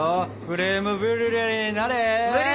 クレームブリュレになれ！